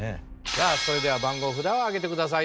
さあそれでは番号札を上げてください。